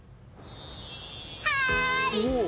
はい！